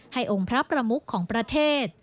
องค์พระประมุขของประเทศ